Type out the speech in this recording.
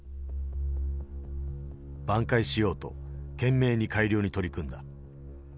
挽回しようと懸命に改良に取り組んだ。